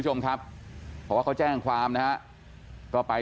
สีก็ใช่อยู่แล้วค่ะพี่